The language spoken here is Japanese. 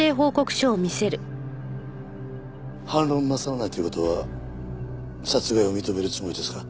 反論なさらないという事は殺害を認めるつもりですか？